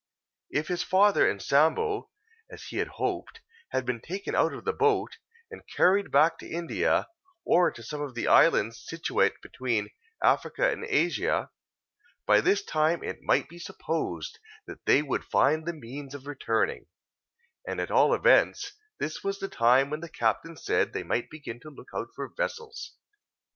If his father and Sambo (as he hoped) had been taken out of the boat, and carried back to India, or to some of the islands situate between Africa and Asia, by this time it might be supposed they would find the means of returning; and at all events, this was the time when the captain said they might begin to look out for vessels.